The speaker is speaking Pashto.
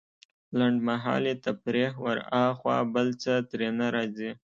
لنډمهالې تفريح وراخوا بل څه ترې نه راځي.